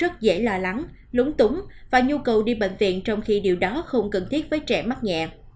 rất dễ lo lắng lúng túng và nhu cầu đi bệnh viện trong khi điều đó không cần thiết với trẻ mắc nhẹ